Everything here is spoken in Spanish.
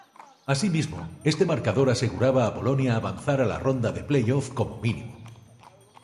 Asimismo, este marcador aseguraba a Polonia avanzar a la ronda de playoff como mínimo.